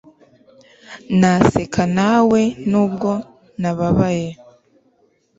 naseka nawe nubwo nababaye